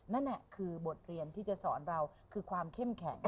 นั่นคือบทเรียนที่จะสอนเราคือความเข้มแข็ง